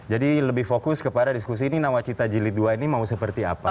jadi lebih fokus kepada diskusi ini nawacita jilid ii ini mau seperti apa